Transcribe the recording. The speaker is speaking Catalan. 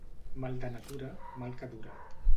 Mal de natura, mal que dura.